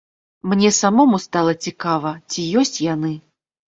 Мне самому стала цікава, ці ёсць яны!